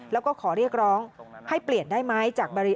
แล้วก็ขอเรียกร้องให้เปลี่ยนได้ไหมจากบริ